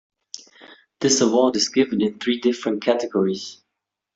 This award is given in three different categories.